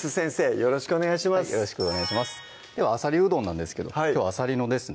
よろしくお願いしますでは「あさりうどん」なんですけどきょうはあさりのですね